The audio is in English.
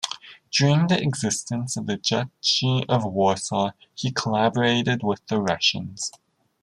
During the existence of the Duchy of Warsaw he collaborated with the Russians.